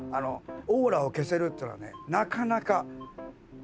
オーラを消せるっていうのはねなかなか。